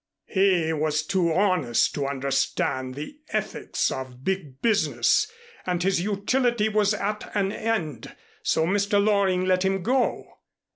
He was too honest to understand the ethics of big business and his utility was at an end. So Mr. Loring let him go.